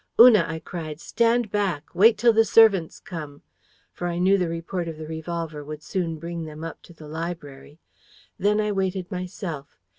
'Una,' I cried, 'stand back! Wait till the servants come!' For I knew the report of the revolver would soon bring them up to the library. Then I waited myself.